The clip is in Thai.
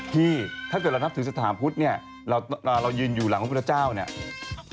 ถ้าเกิดเรานับถือสถานพุทธเนี่ยเรายืนอยู่หลังพระพุทธเจ้าเนี่ย